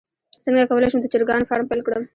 څنګه کولی شم د چرګانو فارم پیل کړم